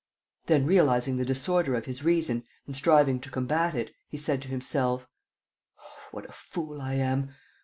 Then, realizing the disorder of his reason and striving to combat it, he said to himself: "What a fool I am!